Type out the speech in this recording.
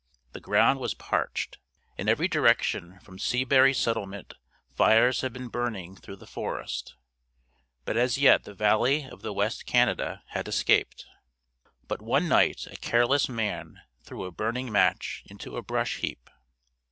The ground was parched. In every direction from Seabury Settlement fires had been burning through the forest, but as yet the valley of the West Canada had escaped. But one night a careless man threw a burning match into a brush heap.